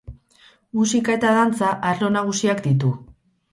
Musika eta dantza arlo nagusiak ditu.